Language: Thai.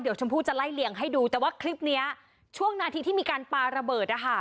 เดี๋ยวชมพู่จะไล่เลี่ยงให้ดูแต่ว่าคลิปนี้ช่วงนาทีที่มีการปาระเบิดนะคะ